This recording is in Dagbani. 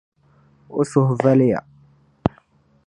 O suhu valiya.